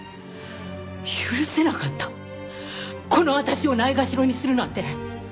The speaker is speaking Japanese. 許せなかったこの私を蔑ろにするなんて！